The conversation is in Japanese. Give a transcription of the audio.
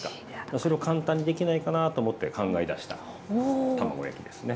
それを簡単にできないかなと思って考え出した卵焼きですね。